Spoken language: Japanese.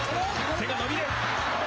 手が伸びる。